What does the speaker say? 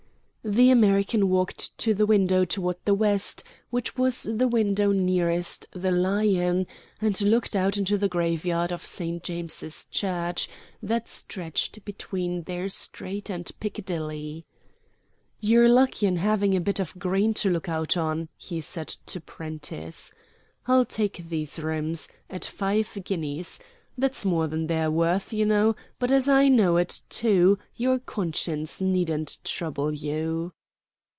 The American walked to the window toward the west, which was the window nearest the Lion, and looked out into the graveyard of St. James's Church, that stretched between their street and Piccadilly. "You're lucky in having a bit of green to look out on," he said to Prentiss. "I'll take these rooms at five guineas. That's more than they're worth, you know, but as I know it, too, your conscience needn't trouble you."